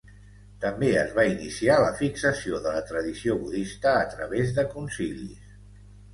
També es va iniciar la fixació de la tradició budista a través de concilis.